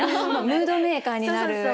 ムードメーカーになる子が。